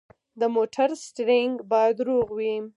د موټر سټیرینګ باید روغ وي.